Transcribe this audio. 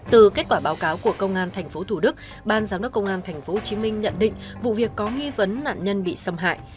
từ kết quả báo cáo của công an tp thủ đức ban giám đốc công an tp hcm nhận định vụ việc có nghi vấn nạn nhân bị xâm hại